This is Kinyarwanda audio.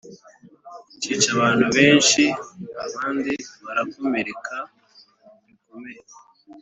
byica abantu benshi abandi barakomereka bikomeye